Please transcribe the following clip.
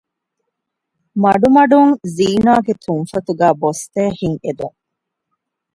މަޑުމަޑުން ޒީނާގެ ތުންފަތުގައި ބޮސްދޭ ހިތް އެދުން